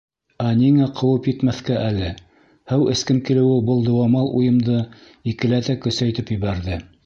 Ә ниңә ҡыуып етмәҫкә әле? һыу эскем килеүе был дыуамал уйымды икеләтә көсәйтеп ебәрҙе.